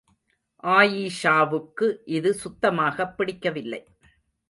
ஆயீஷாவுக்கு இது சுத்தமாகப் பிடிக்கவில்லை.